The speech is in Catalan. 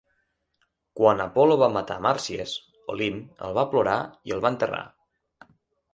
Quan Apol·lo va matar Màrsies Olimp el va plorar i el va enterrar.